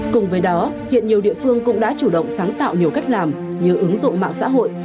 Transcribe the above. cùng với đó hiện nhiều địa phương cũng đã chủ động sáng tạo nhiều cách làm như ứng dụng mạng xã hội